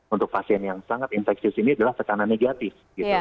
untuk pasien yang sangat infeksius ini adalah tekanan negatif